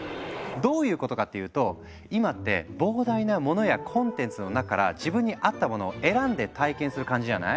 どういうことかっていうと今って膨大なモノやコンテンツの中から自分に合ったものを選んで体験する感じじゃない？